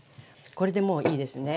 これでもういいですね。